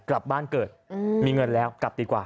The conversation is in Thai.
กลับบ้านเกิดมีเงินแล้วกลับดีกว่า